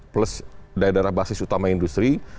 plus daerah daerah basis utama industri